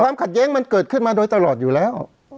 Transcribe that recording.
ขัดแย้งมันเกิดขึ้นมาโดยตลอดอยู่แล้ว